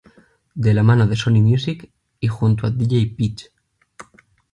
De la mano de Sony Music y junto a Dj Pich!